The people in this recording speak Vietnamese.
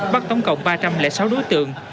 bắt tổng cộng ba trăm linh sáu đối tượng